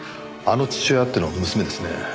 あの父親あっての娘ですね。